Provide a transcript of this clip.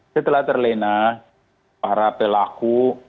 setelah terlena para pelaku